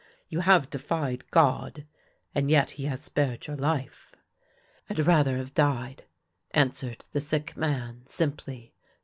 You have defied God, and yet he has spared your life." " Fd rather have died," answered the sick man, simply.